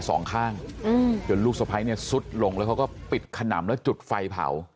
สองข้างอืมจนลูกสะพ้ายเนี่ยซุดลงแล้วเขาก็ปิดขนำแล้วจุดไฟเผา